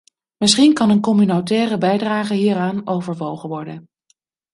Misschien kan een communautaire bijdrage hieraan overwogen worden.